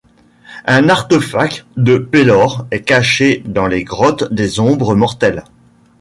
Un artefact de Pélor est caché dans les Grottes des Ombres Mortelles.